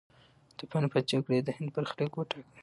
د پاني پت جګړې د هند برخلیک وټاکه.